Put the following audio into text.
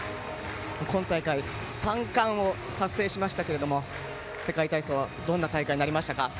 今大会３冠を達成しましたけれども世界体操どんな大会になりましたか。